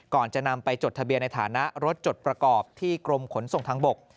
ก่อนจะนำไปจดทะเบียนในฐานะรถจดประกอบที่กรมขนส่งทางบก